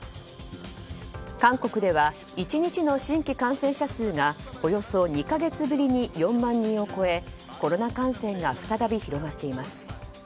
韓国では１日の新規感染者数がおよそ２か月ぶりに４万人を超えコロナ感染が再び広がっています。